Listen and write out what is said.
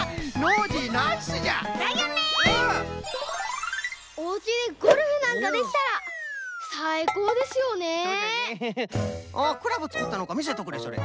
ウフフおおクラブつくったのかみせとくれそれ。